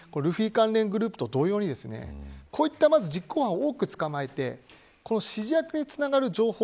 関連グループと同様にこういった実行犯をたくさん捕まえて指示役につながる情報